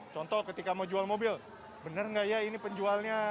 contoh ketika mau jual mobil benar nggak ya ini penjualnya